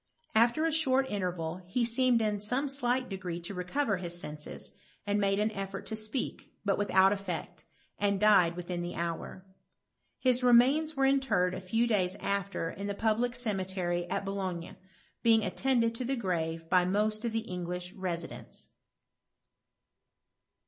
After a short interval, he seemed in aomo slight degree to recover his senses, and made an effort to speak, but without effect, and died within the hour. His remains were interred a few days aft« in the public cemetery at Boulogne, being attended to the grave by most of the English residents.